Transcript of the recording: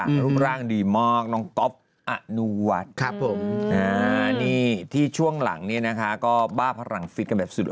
รูปร่างดีมากน้องก๊อฟอนุวัฒน์ครับผมนี่ที่ช่วงหลังเนี่ยนะคะก็บ้าพลังฟิตกันแบบสุด